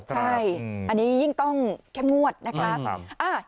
ใช่อันนี้ยิ่งต้องเข้มงวดนะคะ